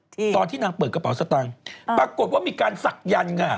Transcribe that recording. ทีตอนที่นางเปิดกระเป๋าสตังปรากฏว่ามีการศักดิ์ยัน